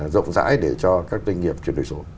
rộng rãi để cho các doanh nghiệp chuyển đổi số